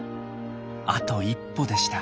あと一歩でした。